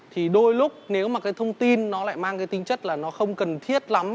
thì đôi lúc nếu mà cái thông tin nó lại mang cái tính chất là nó không cần thiết lắm